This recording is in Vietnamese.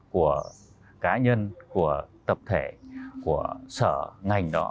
của cá nhân của tập thể của sở ngành đó